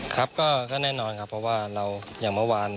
ครับก็แน่นอนครับเพราะว่าเราอย่างเมื่อวาน